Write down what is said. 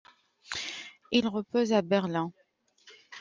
Il repose à Berlin.